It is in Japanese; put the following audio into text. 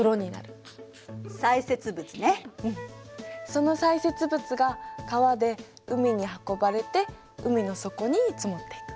その砕屑物が川で海に運ばれて海の底に積もっていく。